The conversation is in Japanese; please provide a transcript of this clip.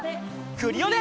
クリオネ！